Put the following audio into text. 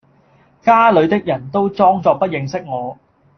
家裏的人都裝作不認識我；